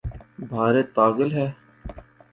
بھارت پاگل ہے؟